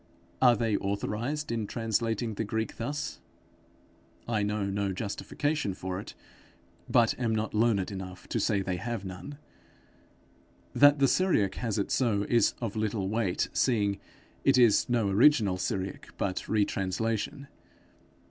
Are they authorized in translating the Greek thus? I know no justification for it, but am not learned enough to say they have none. That the Syriac has it so, is of little weight; seeing it is no original Syriac, but retranslation.